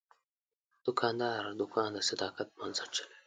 دوکاندار دوکان د صداقت په بنسټ چلوي.